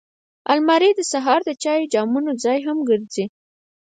الماري د سهار د چای جامونو ځای هم ګرځي